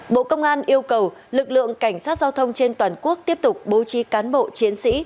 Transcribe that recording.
bộ công an yêu cầu lực lượng cảnh sát giao thông trên toàn quốc tiếp tục bố trí cán bộ chiến sĩ